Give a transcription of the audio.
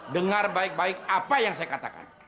dengar baik baik apa yang saya katakan